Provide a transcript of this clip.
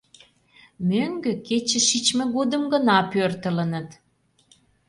Мӧҥгӧ кече шичме годым гына пӧртылыныт.